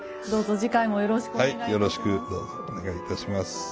どうぞ次回もよろしくお願いいたします。